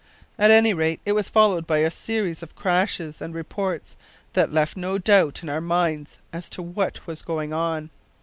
At any rate it was followed by a series of crashes and reports that left no doubt in our minds as to what was going on.